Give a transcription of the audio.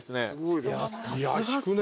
いや引くね。